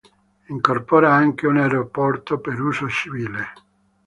Incorpora anche un aeroporto per uso civile.